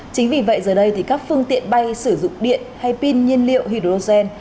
chính vì vậy giờ đây thì các phương tiện bay sử dụng điện hay pin nhiên liệu hydrogen